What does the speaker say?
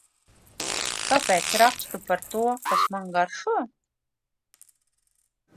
Kāpēc rakstu par to, kas man garšo?